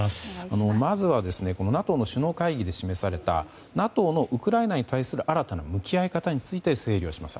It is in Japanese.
まずはＮＡＴＯの首脳会議で示されたＮＡＴＯのウクライナに対する新たな向き合い方について整理をします。